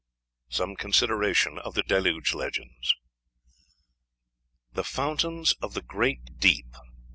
SOME CONSIDERATION OF THE DELUGE LEGENDS. The Fountains of the Great Deep.